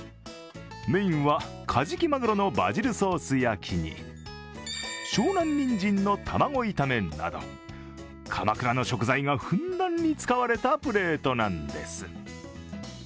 メインはカジキマグロのバジルソース焼きに湘南にんじんの玉子炒めなど、鎌倉の食材がふんだんに使われたプレートなんです。